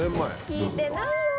聞いてないよ。